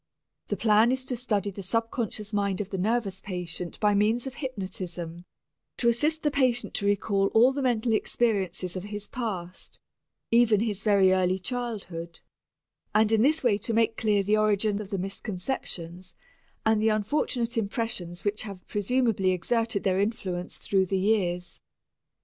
The plan is to study the subconscious mind of the nervous patient by means of hypnotism, to assist the patient to recall all the mental experiences of his past, even his very early childhood, and in this way to make clear the origin of the misconceptions and the unfortunate impressions which have presumably exerted their influence through the years.